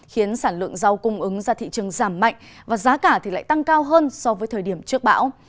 khiến sản lượng dao cung ứng ra thị trường giảm mạnh và giá cả lại tăng cao hơn so với thời điểm trước bão